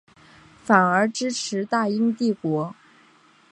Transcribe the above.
反而支持大英帝国。